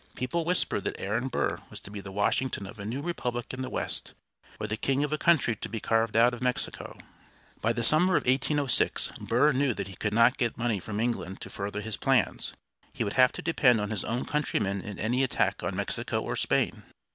People whispered that Aaron Burr was to be the Washington of a new republic in the West, or the king of a country to be carved out of Mexico. By the summer of 1806 Burr knew that he could not get money from England to further his plans. He would have to depend on his own countrymen in any attack on Mexico or Spain.